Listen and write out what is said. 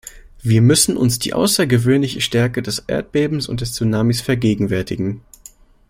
Wir müssen uns die außergewöhnliche Stärke des Erdbebens und des Tsunamis vergegenwärtigen.